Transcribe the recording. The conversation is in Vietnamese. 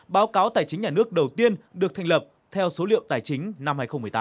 báo cáo tài chính nhà nước đầu tiên được thành lập theo số liệu tài chính năm hai nghìn một mươi tám